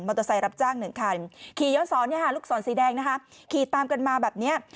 มอเตอร์ไซรับจ้างหนึ่งคันขี่ย้อนสอนเนี่ยฮะลูกสอนสีแดงนะฮะขี่ตามกันมาแบบเนี่ย